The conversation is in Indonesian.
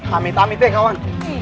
tami tami teh kawan